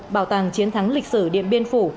bảo tàng chiến thắng lịch sử điện biên phủ